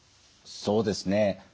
そうですね。